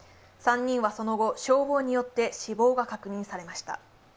３人はその後、消防によって死亡が確認されました。